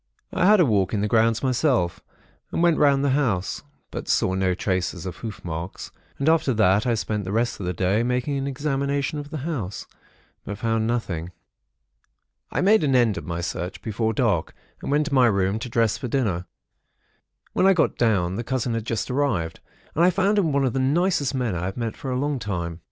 "I had a walk in the grounds myself, and went round the house, but saw no traces of hoof marks; and after that, I spent the rest of the day, making an examination of the house; but found nothing. "I made an end of my search, before dark, and went to my room to dress for dinner. When I got down, the cousin had just arrived; and I found him one of the nicest men I have met for a long time.